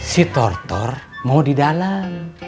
si tortor mau di dalam